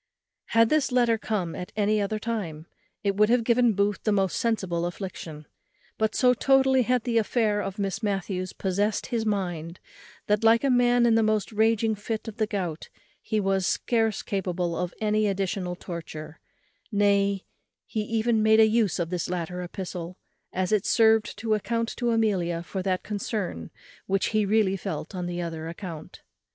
Had this letter come at any other time, it would have given Booth the most sensible affliction; but so totally had the affair of Miss Matthews possessed his mind, that, like a man in the most raging fit of the gout, he was scarce capable of any additional torture; nay, he even made an use of this latter epistle, as it served to account to Amelia for that concern which he really felt on another account.